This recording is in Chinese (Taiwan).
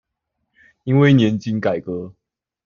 因為年金改革